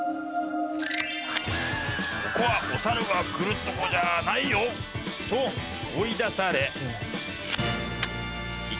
ここはおサルが来る所じゃないよ！と追い出され。